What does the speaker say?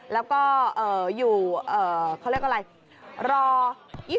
แล้วก็อยู่เขาเรียกอะไรรอ